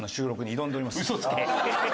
嘘つけ！